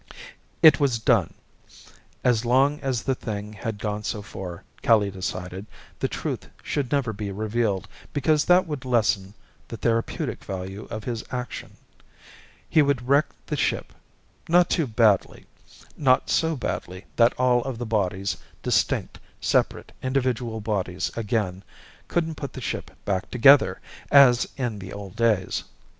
It was done. As long as the thing had gone so far, Kelly decided, the truth should never be revealed because that would lessen the therapeutic value of his action. He would wreck the ship. Not too badly. Not so badly that all of the bodies, distinct, separate individual bodies again, couldn't put the ship back together, as in the old days.